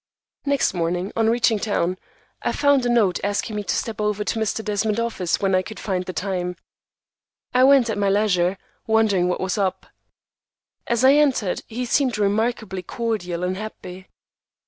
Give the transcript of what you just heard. Next morning, on reaching town, I found a note asking me to step over to Mr. Desmond's office when I could find time. I went at my leisure, wondering what was up. As I entered, he seemed remarkably cordial and happy.